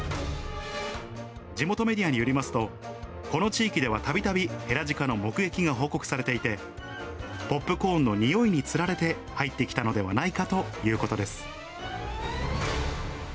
地元メディアによりますと、この地域ではたびたび、ヘラジカの目撃が報告されていて、ポップコーンの匂いに釣られて入ってきたのではないかということです。